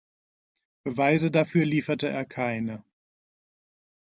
Beweise dafür lieferte er keine.